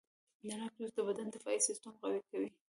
د ناک جوس د بدن دفاعي سیستم قوي کوي.